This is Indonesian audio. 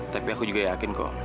tapi aku juga yakin kok